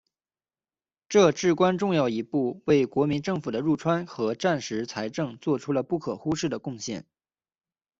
这至关重要一步为国民政府的入川和战时财政作出了不可忽视的贡献。